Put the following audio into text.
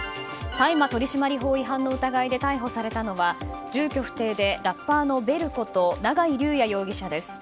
大麻取締法違反の疑いで逮捕されたのは住居不定でラッパーのベルこと永井竜也容疑者です。